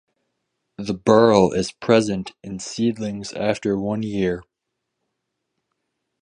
The burl is present in seedlings after one year.